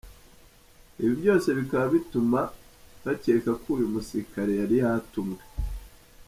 Ibi byose bikaba bituma bakeka ko uyu musirikare yari yatumwe.